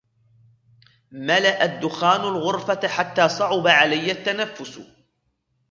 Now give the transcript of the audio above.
ملأ الدخان الغرفة حتى صعُب عليّ التنفس.